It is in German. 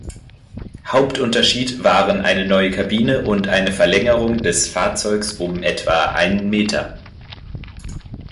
Hauptunterschied waren eine neue Kabine und eine Verlängerung des Fahrzeugs um etwa einen Meter.